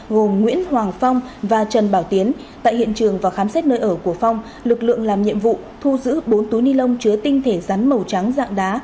gồm nguyễn hoàng phong và trần bảo tiến tại hiện trường và khám xét nơi ở của phong lực lượng làm nhiệm vụ thu giữ bốn túi ni lông chứa tinh thể rắn màu trắng dạng đá